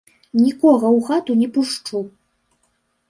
Нікога ў хату не пушчу!